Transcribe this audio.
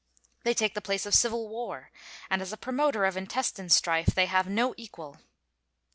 They take the place of civil war, and as a promoter of intestine strife they have no equal.